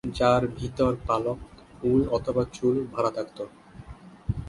যার ভিতর পালক, উল অথবা চুল ভরা থাকতো।